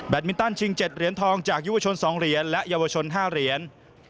มินตันชิง๗เหรียญทองจากยุวชน๒เหรียญและเยาวชน๕เหรียญ